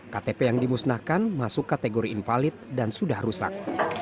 ktp yang dimusnahkan masuk kategori invalid dan sudah rusak